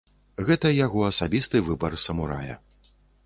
Гэта яго асабісты выбар самурая.